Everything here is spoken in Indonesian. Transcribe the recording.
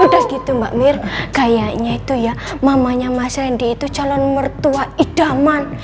udah gitu mbak mir kayaknya itu ya mamanya mas randy itu calon mertua idaman